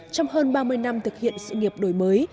trong hơn ba mươi năm thực hiện sự nghiệp đổi mới